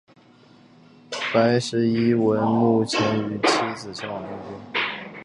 白石一文目前与妻子住在东京。